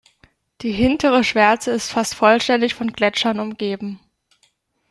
Die Hintere Schwärze ist fast vollständig von Gletschern umgeben.